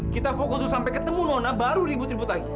kita fokus sampai ketemu nona baru ribut ribut lagi